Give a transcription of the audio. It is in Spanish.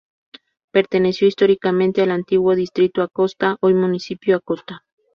Perteneció históricamente al antiguo Distrito Acosta, hoy Municipio Acosta.